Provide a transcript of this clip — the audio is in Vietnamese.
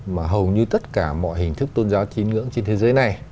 mà hầu như tất cả mọi hình thức tôn giáo tín ngưỡng trên thế giới này